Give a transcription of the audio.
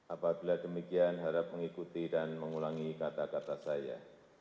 apabila demikian harap mengikuti dan mengulangi kata kata saya